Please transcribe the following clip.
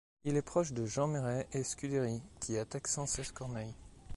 Il est proche de Jean Mairet et Scudéry, qui attaquent sans cesse Corneille.